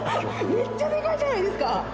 めっちゃでかいじゃないですか。